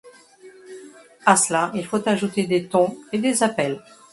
À cela, il faut ajouter des Tons et des Appels.